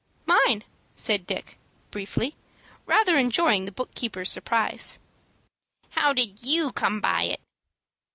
"Mine," said Dick, briefly, rather enjoying the book keeper's surprise. "How did you come by it?"